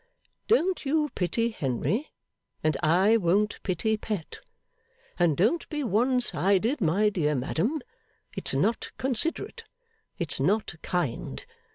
Don't you pity Henry, and I won't pity Pet. And don't be one sided, my dear madam; it's not considerate, it's not kind.